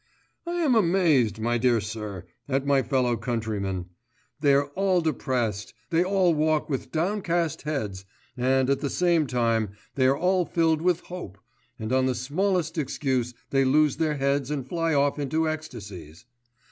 I am amazed, my dear sir, at my fellow countrymen. They are all depressed, they all walk with downcast heads, and at the same time they are all filled with hope, and on the smallest excuse they lose their heads and fly off into ecstasies.